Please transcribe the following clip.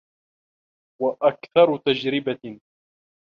وَأَكْثَرُ تَجْرِبَةً